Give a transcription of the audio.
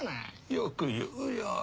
よく言うよ。